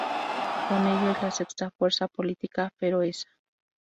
Con ello es la sexta fuerza política feroesa.